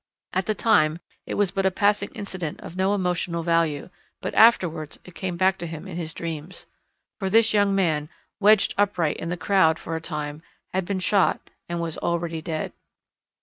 At the time it was but a passing incident of no emotional value, but afterwards it came back to him in his dreams. For this young man, wedged upright in the crowd for a time, had been shot and was already dead.